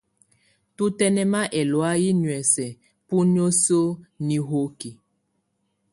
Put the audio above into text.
Tu tɛnɛma ɛlɔ̀áyɛ nuɛsɛ bu nisuǝ́ nihóki.